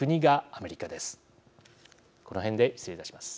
この辺で失礼いたします。